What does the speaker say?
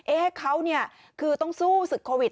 เอ๊ะเขาคือต้องสู้ศึกโควิด